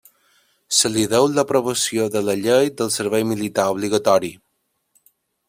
Se li deu l'aprovació de la Llei del Servei Militar Obligatori.